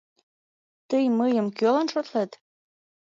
Тый мыйым кӧлан шотлет?